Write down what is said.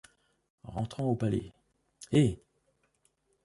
Rentrons au palais. — Hé!